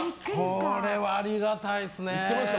これはありがたいですね。